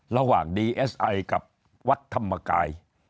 ระหว่างดีเอสไอกับวัดธรรมกาย